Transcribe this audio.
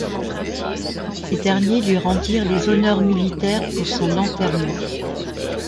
Ces derniers lui rendirent les honneurs militaires pour son enterrement.